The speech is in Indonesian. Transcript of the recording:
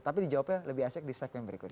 tapi dijawabnya lebih asik di segmen berikutnya